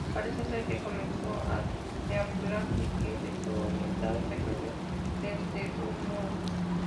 Parece ser que comenzó a deambular y que, desorientado, se cayó desde un muro.